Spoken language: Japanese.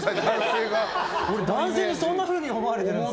僕、男性にそんなふうに思われてるんですね。